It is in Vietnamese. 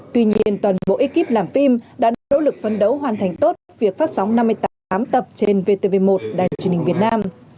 tuy nhiên toàn bộ ekip làm phim đã đang nỗ lực phấn đấu hoàn thành tốt việc phát sóng năm mươi tám tám tập trên vtv một đài truyền hình việt nam